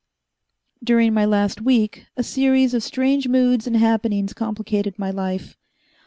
During my last week, a series of strange moods and happenings complicated my life.